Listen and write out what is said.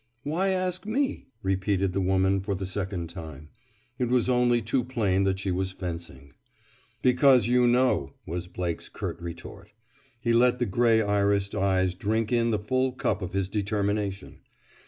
"Why ask me?" repeated the woman for the second time. It was only too plain that she was fencing. "Because you know," was Blake's curt retort. He let the gray irised eyes drink in the full cup of his determination.